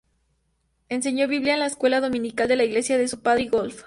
Enseño biblia en la escuela dominical de la iglesia de su padre y golf.